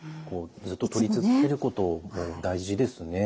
ずっと取り続けることも大事ですね。